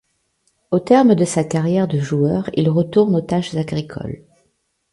Au terme de sa carrière de joueur, il retourne aux tâches agricoles.